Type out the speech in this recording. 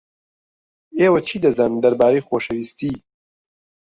ئێوە چی دەزانن دەربارەی خۆشەویستی؟